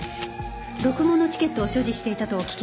ろくもんのチケットを所持していたと聞きましたが。